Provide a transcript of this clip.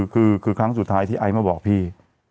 คือครั้งสุดท้ายที่ไอซ์มาบอกพี่